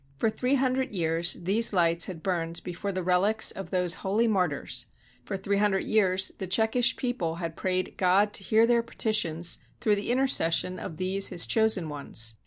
For three hundred years these lights had burned before the relics of those holy martyrs; for three hundred years the Czechish people had prayed God to hear their petitions through the intercession of these his chosen ones.